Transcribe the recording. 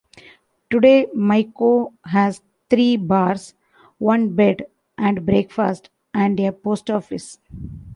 Today Mico has three bars, one bed and breakfast, and a post office.